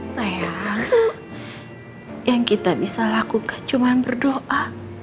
sayang yang kita bisa lakukan cuma berdoa